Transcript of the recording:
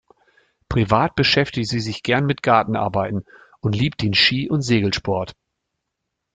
Privat beschäftigt sie sich gern mit Gartenarbeiten und liebt den Ski- und Segelsport.